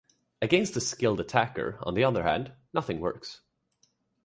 Against the skilled attacker, on the other hand, nothing works.